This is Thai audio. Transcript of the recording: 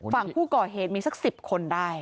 ฝั่งผู้ก่อเหตุมีสัก๑๐คนได้